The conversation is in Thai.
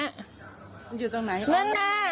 ก็มันอยู่ตรงไหน